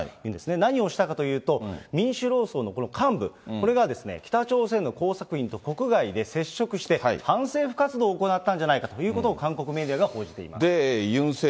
何をしたかというと、民主労総のこの幹部、これが北朝鮮の工作員と国外で接触して、反政府活動を行ったんじゃないかということを韓国メディアが報じています。